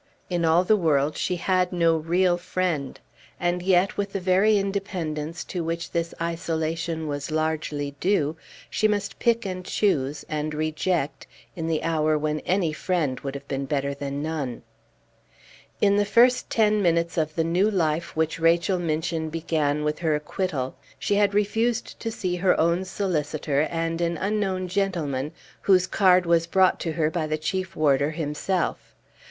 In all the world she had no real friend. And yet, with the very independence to which this isolation was largely due, she must pick and choose, and reject, in the hour when any friend would have been better than none! In the first ten minutes of the new life which Rachel Minchin began with her acquittal, she had refused to see her own solicitor, and an unknown gentleman whose card was brought to her by the Chief Warder himself.